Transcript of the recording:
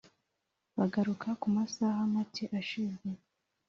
bugaruka ku masaha make ashize